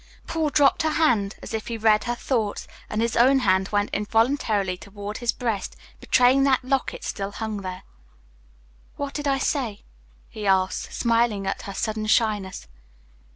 Paul dropped her hand as if he, read her thoughts, and his own hand went involuntarily toward his breast, betraying that the locket still hung there. "What did I say?" he asked, smiling at her sudden shyness.